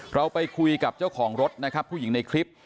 เราไปคุยกับเจ้าของรถนะครับผู้หญิงในคลิป